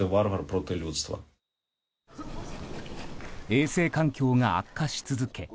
衛生環境が悪化し続け